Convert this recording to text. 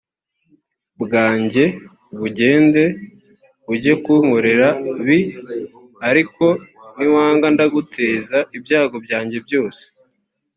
bwanjye bugende bujye kunkorera b ariko niwanga ndaguteza ibyago byanjye byose